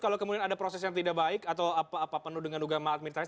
kalau kemudian ada proses yang tidak baik atau penuh dengan duga mahal militeris